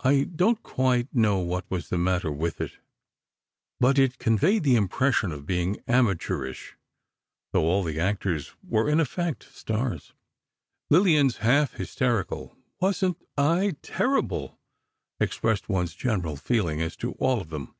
I don't quite know what was the matter with it, but it conveyed the impression of being amateurish, though all the actors were, in effect, stars. Lillian's half hysterical "Wasn't I terrible?" expressed one's general feeling as to all of them.